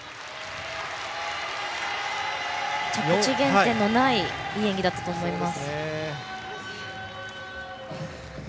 着地減点のないいい演技だったと思います。